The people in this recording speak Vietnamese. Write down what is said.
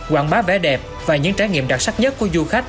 quảng bá vẻ đẹp và những trải nghiệm đặc sắc nhất của du khách